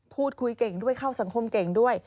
พูดคุยเก่งด้วยเข้าสังคมเก่งด้วย